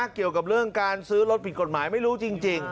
เกี่ยวกับเรื่องการซื้อรถผิดกฎหมายไม่รู้จริง